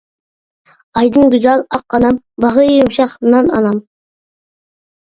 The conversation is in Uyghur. ئايدىن گۈزەل ئاق ئانام، باغرى يۇمشاق نان ئانام.